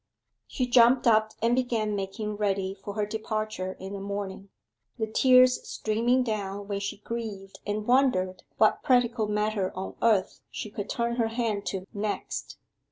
She jumped up and began making ready for her departure in the morning, the tears streaming down when she grieved and wondered what practical matter on earth she could turn her hand to next.